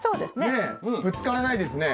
ねえぶつからないですね。